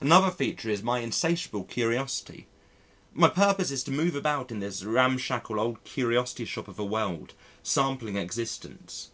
Another feature is my insatiable curiosity. My purpose is to move about in this ramshackle, old curiosity shop of a world sampling existence.